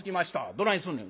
「どないすんねん？」。